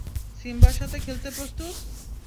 সিম্বার সাথে খেলতে প্রস্তুত?